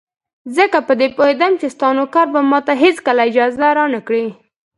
ځکه په دې پوهېدم چې ستا نوکر به ماته هېڅکله اجازه را نه کړي.